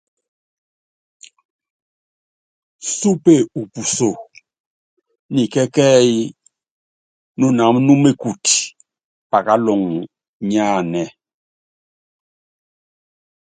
Súpe u puso ni kɛ́kɛ́yí kánɛ umekuci pákaluŋɔ nyánanɛ́.